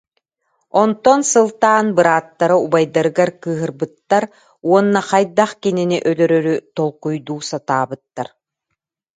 Онтон сылтаан бырааттара убайдарыгар кыыһырбыттар уонна хайдах кинини өлөрөрү толкуйдуу сатаабыттар